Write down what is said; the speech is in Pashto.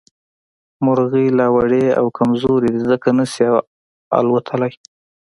مرغۍ لا وړې او کمزورې دي ځکه نه شي اوتلې